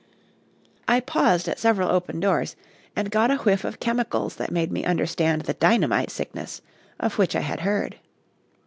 I paused at several open doors, and got a whiff of chemicals that made me understand the dynamite sickness of which I had heard.